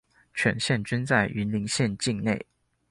全線均在雲林縣境內